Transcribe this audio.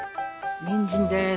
にんじんです。